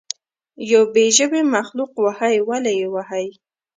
یو بې ژبې مخلوق وهئ ولې یې وهئ.